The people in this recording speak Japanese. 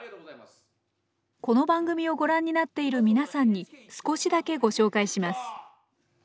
この番組をごらんになっているみなさんに少しだけご紹介します。